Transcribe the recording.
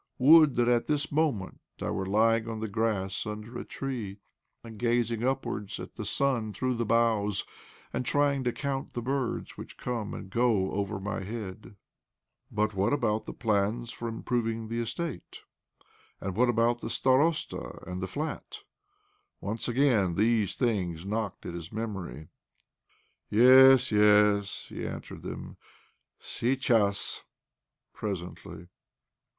Would that at this moment I were lying on the grass under a tree, and gazing upwards at the sun through the б4 OBLOMOV boughs, and trying to count the birds which come and go over my head !" But what about the plans for improving the estate? Arid what about the starosta and the flat? Once again these things knocked at his memory. " Yes, yes," he answered them. " Seichass —presently."